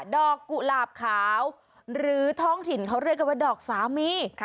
กุหลาบขาวหรือท้องถิ่นเขาเรียกกันว่าดอกสามี